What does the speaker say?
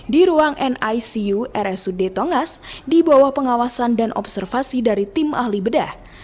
di ruang nicu rsud tongas di bawah pengawasan dan observasi dari tim ahli bedah